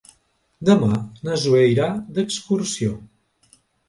Demà na Zoè irà d'excursió.